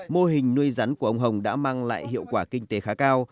mô hình nuôi rắn của ông hồng đã mang lại hiệu quả kinh tế khá cao